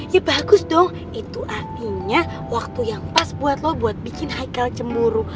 ya bagus dong itu artinya waktu yang pas buat lo buat bikin haikal cemburu